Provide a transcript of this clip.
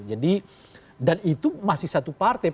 jadi dan itu masih satu partai